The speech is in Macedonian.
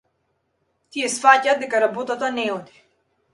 Тие сфаќаат дека работата не оди.